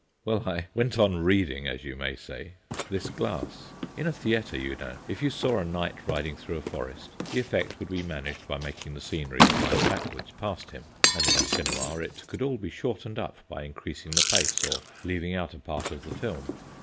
Well, I went on reading, as you may say, this glass. In a theatre, you know, if you saw a knight riding through a forest, the effect would be managed by making the scenery slide backwards past him; and in a cinema it could all be shortened up by increasing the pace or leaving out part of the film.